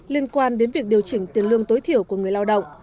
liên quan đến việc điều chỉnh tiền lương tối thiểu của người lao động